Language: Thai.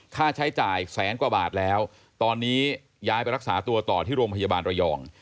ค่าใช้จ่ายแสนกว่าบาทแล้วตอนนี้ย้ายไปรักษาตัวต่อที่โรงพยาบาลระยอง